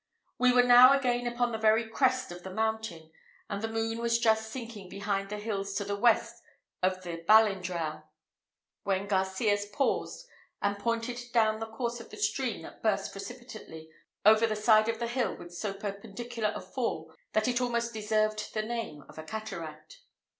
We were now again upon the very crest of the mountain, and the moon was just sinking behind the hills to the west of the Balindrau, when Garcias paused and pointed down the course of a stream that burst precipitately over the side of the hill with so perpendicular a fall that it almost deserved the name of a cataract.